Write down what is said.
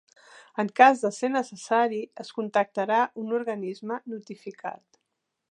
En cas de ser necessari es contactarà un organisme notificat.